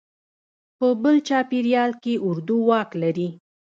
په بل چاپېریال کې اردو واک لري.